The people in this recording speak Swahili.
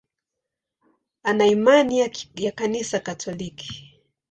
Ana imani ya Kanisa Katoliki.